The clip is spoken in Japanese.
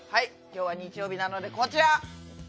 今日は日曜日なのでこちら。